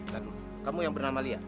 kamu yang bernama lia